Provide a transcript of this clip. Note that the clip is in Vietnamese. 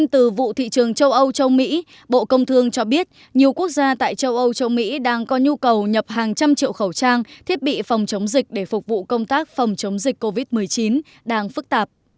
từ vụ thị trường châu âu châu mỹ bộ công thương cho biết nhiều quốc gia tại châu âu châu mỹ đang có nhu cầu nhập hàng trăm triệu khẩu trang thiết bị phòng chống dịch để phục vụ công tác phòng chống dịch covid một mươi chín đang phức tạp